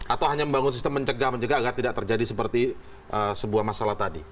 atau hanya membangun sistem mencegah mencegah agar tidak terjadi seperti sebuah masalah tadi